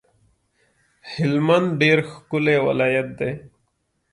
هلمند ډیر ښکلی ولایت دی